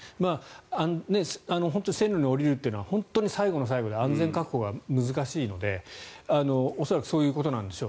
線路に下りるというのは本当に最後の最後で安全確保が難しいので、恐らくそういうことなんでしょう。